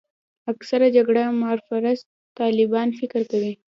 اکثره جګړه مار فرصت طلبان فکر کوي.